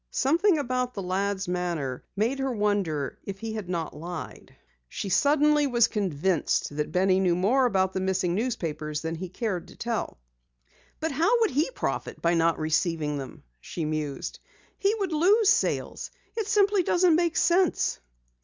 Something about the lad's manner made her wonder if he had not lied. She suddenly was convinced that Benny knew more about the missing newspapers than he cared to tell. "But how would he profit by not receiving them?" she mused. "He would lose sales. It simply doesn't make sense."